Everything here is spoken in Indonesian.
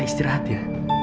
kita istirahat ya